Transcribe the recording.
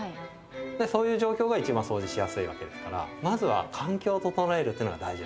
そういう状況が一番そうじしやすいわけですからまずは環境を整えるっていうのが大事なんです。